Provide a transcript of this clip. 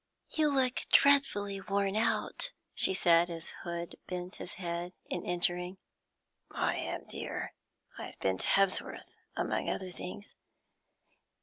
'You look dreadfully worn out,' she said, as Hood bent his head in entering. 'I am, dear. I have been to Hebsworth, among other things.'